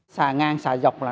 xà ngang xà dọc là